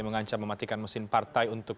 mengancam mematikan mesin partai untuk